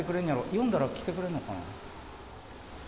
呼んだら来てくれんのかな。